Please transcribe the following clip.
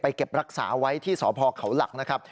เก็บรักษาไว้ที่สพเขาหลักนะครับ